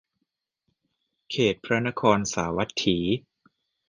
เขตพระนครสาวัตถี